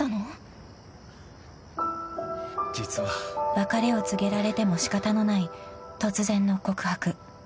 ［別れを告げられても仕方のない突然の告白］